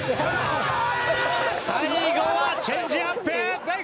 最後はチェンジアップ！